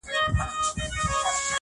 هر څوک هڅه کوي تېر هېر کړي خو نه کيږي,